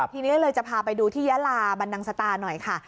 ทีนี้เลยจะพาไปดูที่ยาลาบันนังสตาหน่อยค่ะ